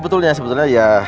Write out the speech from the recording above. sudah lebih enak sebetulnya